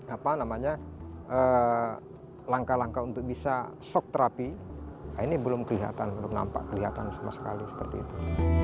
apa namanya langkah langkah untuk bisa shock therapy ini belum kelihatan belum nampak kelihatan sama sekali seperti itu